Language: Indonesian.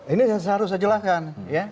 ini harus saya jelaskan